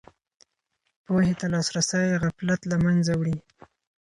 پوهې ته لاسرسی غفلت له منځه وړي.